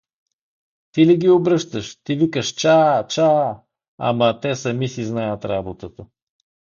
Ти ли ги обръщаш? Ти викаш „чаа! чаа!“, ама те сами си знаят работата.